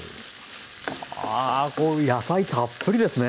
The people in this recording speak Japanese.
あこう野菜たっぷりですね。